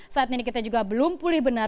saat ini kita juga belum pulih benar